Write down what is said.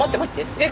えっ？